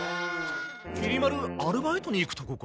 きり丸アルバイトに行くとこか？